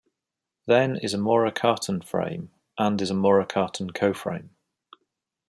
Then is a Maurer-Cartan frame, and is a Maurer-Cartan coframe.